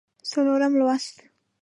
څلورم لوست